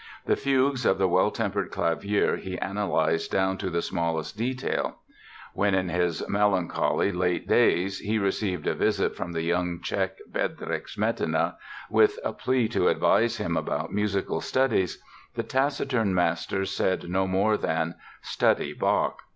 The fugues of the Well Tempered Clavier he analyzed "down to the smallest detail." When in his melancholy late days he received a visit from the young Czech, Bedrich Smetana, with a plea to advise him about musical studies, the taciturn master said no more than: "Study Bach".